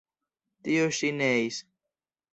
Tio ŝi neis.